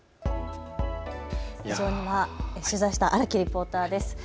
取材した荒木リポーターです。